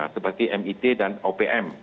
seperti mit dan opm